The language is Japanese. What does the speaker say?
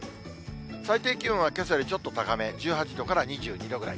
最低気温はけさよりちょっと高め、１８度から２２度ぐらい。